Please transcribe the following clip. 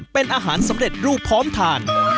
เป็นอาหารสำเร็จรูปพร้อมทาน